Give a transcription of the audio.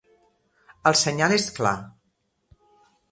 El senyal és clar.